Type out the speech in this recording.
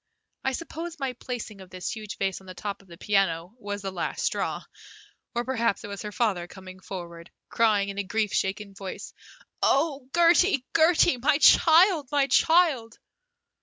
I suppose my placing of this huge vase on the top of the piano was the last straw, or perhaps it was her father coming forward, crying in a grief shaken voice, "Oh, Gertie, Gertie, my child, my child!"